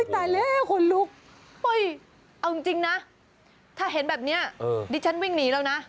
ถ่ายเลยให้คนลุกเอาจริงจริงนะถ้าเห็นแบบเนี้ยดิฉันวิ่งหนีแล้วนะ